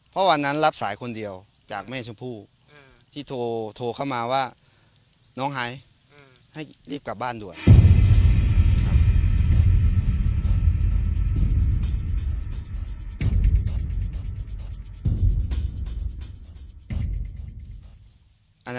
เพราะวันนั้นรับสายคนเดียวจากแม่ชมพู่ที่โทรเข้ามาว่าน้องหายให้รีบกลับบ้านด่วน